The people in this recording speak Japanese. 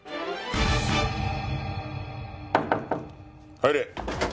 入れ。